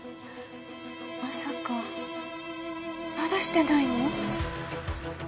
まさかまだしてないの？